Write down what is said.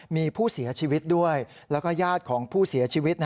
มีผู้เสียชีวิตด้วยแล้วก็ญาติของผู้เสียชีวิต